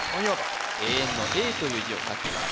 永遠の「永」という字を書きます